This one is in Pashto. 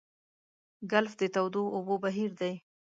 ګلف د تودو اوبو بهیر دی.